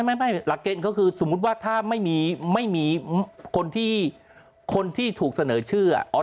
ไม่หลักเกณฑ์ก็คือสมมุติว่าถ้าไม่มีคนที่คนที่ถูกเสนอชื่อ